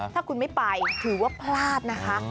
ถ้าคุณไม่ไปถือว่าพลาดนะคะ